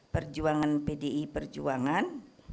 perjuangan pdi perjuangan